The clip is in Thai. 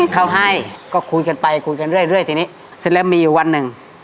เขาให้ก็คุยกันไปคุยกันเรื่อยทีนี้เสร็จแล้วมีอยู่วันหนึ่ง